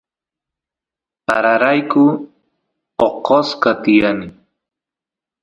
pararayku oqosqa tiyani